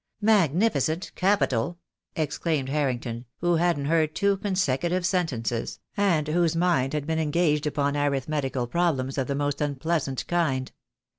"Magnificent, capital," exclaimed Harrington, who hadn't heard two consecutive sentences, and whose mind had been engaged upon arithmetical problems of the most unpleasant kind.